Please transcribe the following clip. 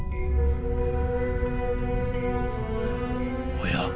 おや？